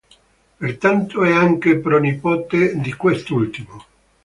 Pertanto, è anche pronipote di quest'ultimo.